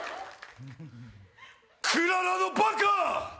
クララのバカ！